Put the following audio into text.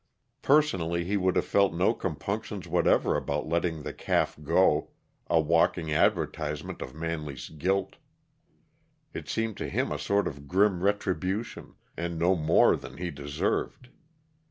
Personally he would have felt no compunctions whatever about letting the calf go, a walking advertisement of Manley's guilt. It seemed to him a sort of grim retribution, and no more than he deserved.